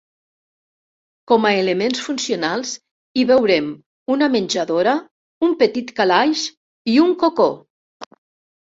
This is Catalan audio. Com a elements funcionals hi veurem una menjadora, un petit calaix i un cocó.